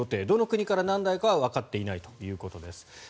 どの国から何台かはわかっていないということです。